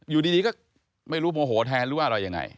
อยู่ดีก็ไม่รู้โมโหแทนหรือว่าอะไรยังไง